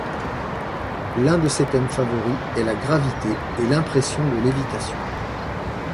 L'un de ses thèmes favoris est la gravité et l'impression de lévitation.